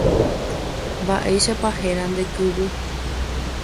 Mba'éichapa héra nde kyvy.